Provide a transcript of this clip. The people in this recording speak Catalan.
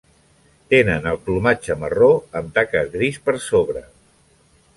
Tenen el plomatge marró amb taques gris per sobre.